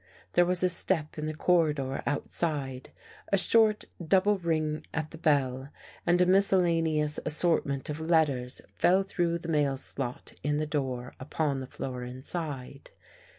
There was a step in the corridor outside, a short double ring at the bell and a miscellaneous assort ment of letters fell through the mail slot in the door, upon the floor inside.